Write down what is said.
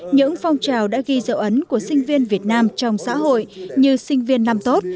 những phong trào đã ghi dấu ấn của sinh viên việt nam trong xã hội như sinh viên năm tốt